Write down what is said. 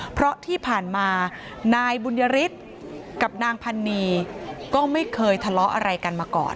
เพราะที่ผ่านมานายบุญยฤทธิ์กับนางพันนีก็ไม่เคยทะเลาะอะไรกันมาก่อน